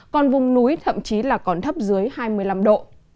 còn vùng núi thậm chí là còn thấp dưới hai mươi năm độ